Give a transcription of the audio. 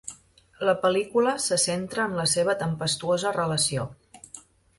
La pel·lícula se centra en la seva tempestuosa relació.